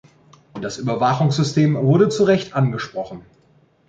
Das Überwachungssystem wurde zu Recht angesprochen.